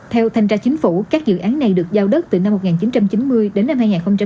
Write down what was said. theo thanh tra chính phủ các dự án này được giao đất từ năm một nghìn chín trăm chín mươi đến năm hai nghìn ba